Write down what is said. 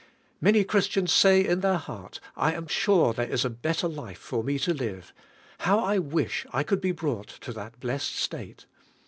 Many Chris tians say in their heart, "I am sure there is a bet ter life for me to live; how I wish I could be brought to that blessed state!"